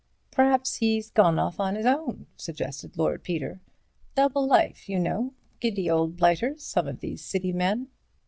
"P'r'aps he's gone off on his own," suggested Lord Peter. "Double life, you know. Giddy old blighters, some of these City men."